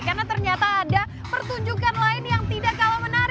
karena ternyata ada pertunjukan lain yang tidak kalah menarik